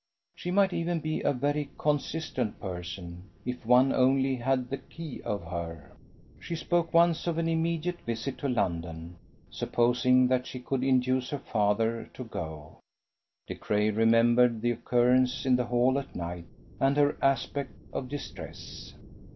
She might even be a very consistent person. If one only had the key of her! She spoke once of an immediate visit to London, supposing that she could induce her father to go. De Craye remembered the occurrence in the Hall at night, and her aspect of distress.